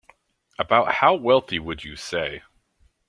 About how wealthy would you say?